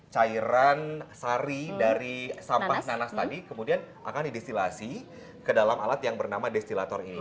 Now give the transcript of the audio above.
cairan sari dari sampah nanas tadi kemudian akan didestilasi ke dalam alat yang bernama destilator ini